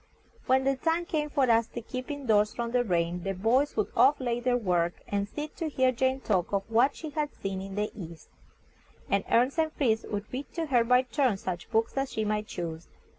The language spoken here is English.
When the time came for us to keep in doors from the rain, the boys would oft lay by their work, and sit to hear Jane talk of what she had seen in the East, and Ernest and Fritz would read to her by turns such books as she might choose.